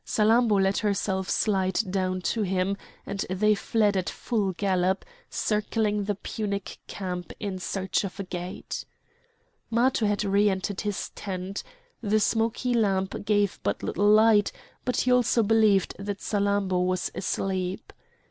Salammbô let herself slide down to him; and they fled at full gallop, circling the Punic camp in search of a gate. Matho had re entered his tent. The smoky lamp gave but little light, and he also believed that Salammbô was asleep.